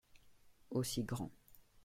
Aussi grand.